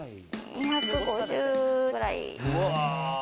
２５０くらい。